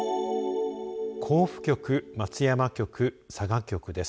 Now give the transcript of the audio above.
甲府局、松山局、佐賀局です。